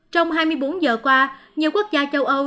trong hai mươi bốn giờ qua nhiều quốc gia châu âu